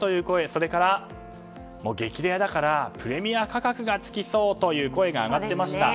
それから激レアだからプレミア価格がつきそうという声が上がっていました。